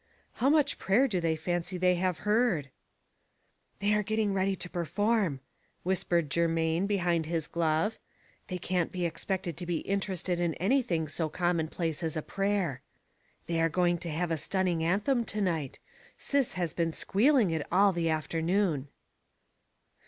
" How much prayer do they fancy they have heard ?"" They are getting ready to perform," whis pered Germain behind his glove. " They can't be expected to be interested in anything so com monplace as a prayer. They are going to have a stunning anthem to night. Sis has been squeal ing it all the afternoon."